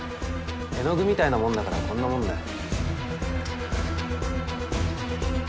絵の具みたいなものだからこんなもんだよ。